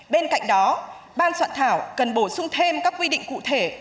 bên cạnh đó ban soạn thảo cần bổ sung thêm các quy định cụ thể